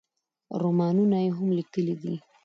رومانونه یې هم لیکلي دي.